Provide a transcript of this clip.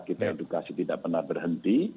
kita edukasi tidak pernah berhenti